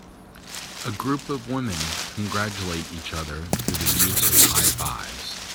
A group of women congratulate each other through the use of highfives.